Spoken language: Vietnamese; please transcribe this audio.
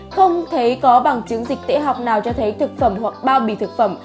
không thấy có bằng chứng dịch tễ học nào cho thấy thực phẩm hoặc bao bì thực phẩm